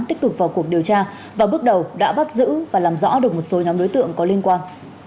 tích cực vào cuộc điều tra và bước đầu đã bắt giữ và làm rõ được một số nhóm đối tượng có liên quan